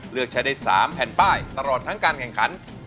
เลือกใช้ได้๓แผ่นป้ายตลอดทั้งการแข่งขัน